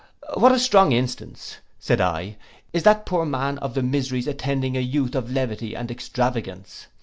'What a strong instance,' said I, 'is that poor man of the miseries attending a youth of levity and extravagance.